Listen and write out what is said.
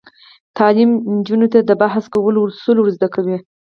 تعلیم نجونو ته د بحث کولو اصول ور زده کوي.